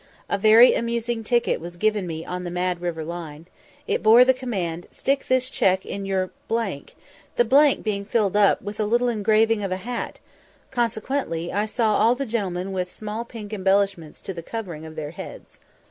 A very amusing ticket was given me on the Mad River line. It bore the command, "Stick this check in your ," the blank being filled up with a little engraving of a hat; consequently I saw all the gentlemen with small pink embellishments to the covering of their heads.